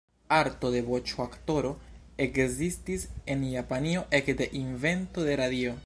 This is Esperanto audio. Arto de voĉoaktoro ekzistis en Japanio ekde invento de radio.